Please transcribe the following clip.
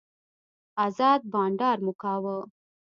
ازاد بانډار مو کاوه.